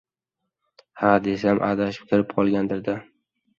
«Ha?» desam, «Adashib kirib qolgandir-da», deydi.